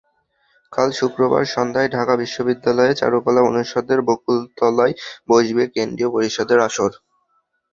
কাল শুক্রবার সন্ধ্যায় ঢাকা বিশ্ববিদ্যালয়ের চারুকলা অনুষদের বকুলতলায় বসবে কেন্দ্রীয় পরিষদের আসর।